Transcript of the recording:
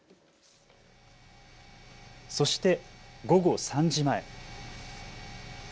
そして午後３時前。